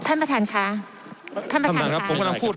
ท่านประธานค่ะ